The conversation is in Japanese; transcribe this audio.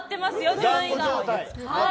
順位が。